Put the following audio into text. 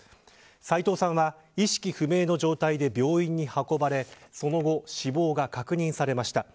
斎藤さんは、意識不明の状態で病院に運ばれその後、死亡が確認されました。